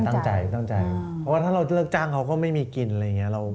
ตั้งใจตั้งใจเพราะว่าถ้าเราเลิกจ้างเขาก็ไม่มีกินอะไรอย่างนี้